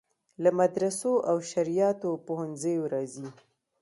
له مدرسو او شرعیاتو پوهنځیو راځي.